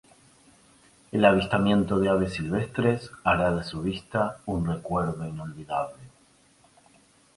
El avistamiento de aves silvestres hará de su vista un recuerdo inolvidable.